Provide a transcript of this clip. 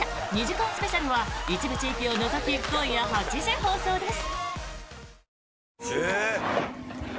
２時間スペシャルは一部地域を除き今夜８時放送です。